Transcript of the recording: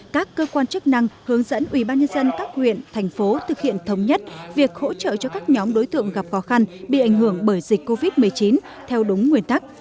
các cơ quan chức năng hướng dẫn ubnd các huyện thành phố thực hiện thống nhất việc hỗ trợ cho các nhóm đối tượng gặp khó khăn bị ảnh hưởng bởi dịch covid một mươi chín theo đúng nguyên tắc